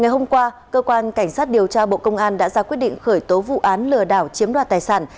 ngày hôm qua cơ quan cảnh sát điều tra bộ công an đã ra quyết định khởi tố vụ án lừa đảo chiếm đoạt tài sản